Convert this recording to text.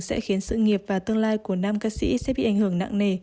sẽ khiến sự nghiệp và tương lai của nam ca sĩ sẽ bị ảnh hưởng nặng nề